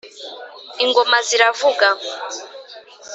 Ingoma ziravuga